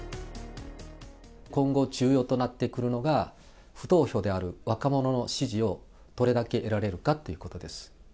今後、重要となってくるのが、浮動票である若者の支持をどれだけ得られるかっていうことです。